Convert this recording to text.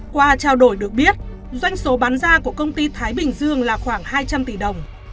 qua trao đổi được biết doanh số bán ra của công ty thái bình dương là khoảng hai trăm linh tỷ đồng